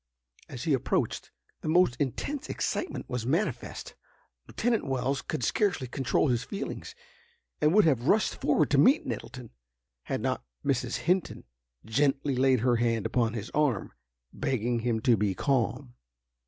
As he approached, the most intense excitement was manifest. Lieutenant Wells could scarcely control his feelings, and would have rushed forward to meet Nettleton, had not Mrs. Hinton gently laid her hand upon his arm, begging him to be calm.